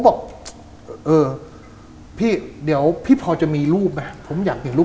บอกเออพี่เดี๋ยวพี่พอจะมีรูปไหมผมอยากเปลี่ยนรูป